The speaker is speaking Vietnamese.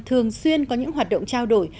thường xuyên có những hoạt động trao đổi